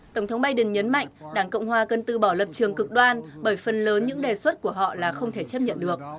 tổng thống biden nhấn mạnh đảng cộng hòa cần từ bỏ lập trường cực đoan bởi phần lớn những đề xuất của họ là không thể chấp nhận được